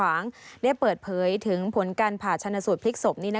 และเปิดเผยถึงผลการผ่าชั้นสูตรพลิกศพ